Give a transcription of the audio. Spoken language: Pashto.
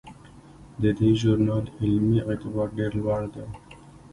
د دې ژورنال علمي اعتبار ډیر لوړ دی.